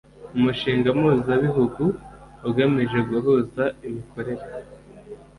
umushinga mpuzabihugu ugamije guhuza imikorere